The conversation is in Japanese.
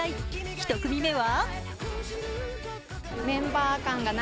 １組目は？